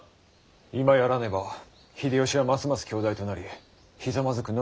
今やらねば秀吉はますます強大となりひざまずくのみとなりましょう。